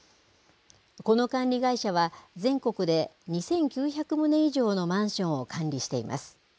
この管理会社は、全国で２９００棟以上のマンションを管理しています。